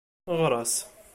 Ɣres.